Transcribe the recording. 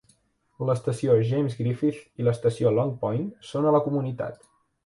L'estació James Griffith i l'estació Long Point són a la comunitat.